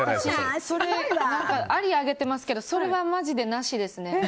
あり上げてますけどそれはマジでなしですね。